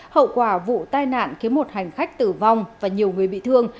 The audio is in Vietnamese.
hậu quả vụ tai nạn khiến một hành khách tử vong và nhiều người bị thương